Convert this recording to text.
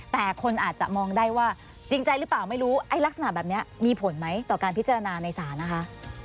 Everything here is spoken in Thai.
แต่คนอาจจะมองได้ว่าจริงใจหรือเปล่าไม่รู้ไอ้ลักษณะแบบนี้มีผลไหมต่อการพิจารณาในศาลนะคะ